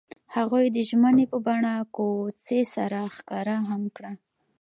هغوی د ژمنې په بڼه کوڅه سره ښکاره هم کړه.